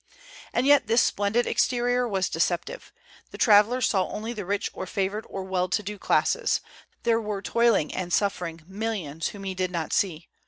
And yet this splendid exterior was deceptive. The traveller saw only the rich or favored or well to do classes; there were toiling and suffering millions whom he did not see.